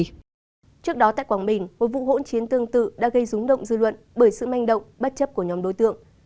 trước đó tại quảng bình một vụ hỗn chiến tương tự đã gây rúng động dư luận bởi sự manh động bất chấp của nhóm đối tượng